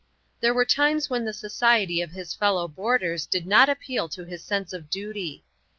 There were times when the society of his fellow boarders did not appeal to his sense of duty.